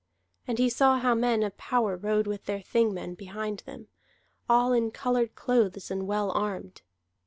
And he saw how men of power rode with their Thingmen behind them, all in colored clothes and well armed.